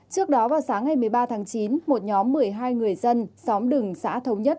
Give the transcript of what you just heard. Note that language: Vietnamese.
trước đó vào sáng ngày một mươi ba tháng chín một nhóm một mươi hai người dân xóm đừng xã thống nhất